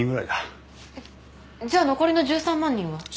えっじゃあ残りの１３万人は？